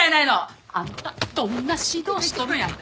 あんたどんな指導しとるんやて！